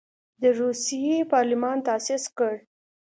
د روسیې پارلمان تاسیس کړ.